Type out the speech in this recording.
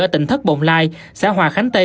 ở tỉnh thất bồng lai xã hòa khánh tây